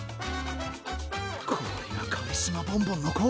これがカリスマボンボンの効果か。